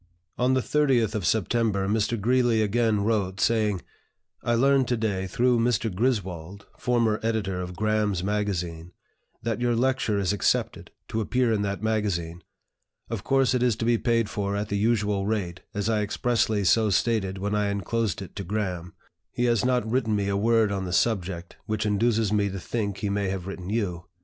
On the 30th of September Mr. Greeley again wrote, saying, "I learned to day, through Mr. Griswold, former editor of 'Graham's Magazine,' that your lecture is accepted, to appear in that magazine. Of course it is to be paid for at the usual rate, as I expressly so stated when I inclosed it to Graham. He has not written me a word on the subject, which induces me to think he may have written you.